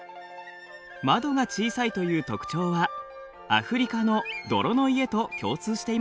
窓が小さいという特徴はアフリカの泥の家と共通していますね。